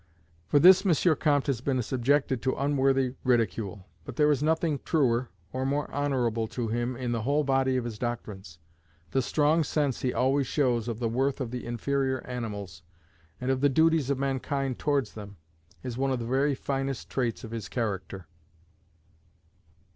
For this M. Comte has been subjected to unworthy ridicule, but there is nothing truer or more honourable to him in the whole body of his doctrines. The strong sense he always shows of the worth of the inferior animals, and of the duties of mankind towards them, is one of the very finest traits of his character.